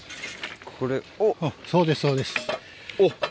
そうですそうです。